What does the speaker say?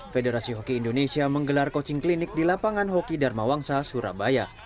federasi hoki indonesia menggelar coaching klinik di lapangan hoki dharma wangsa surabaya